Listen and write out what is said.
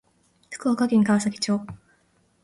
福岡県川崎町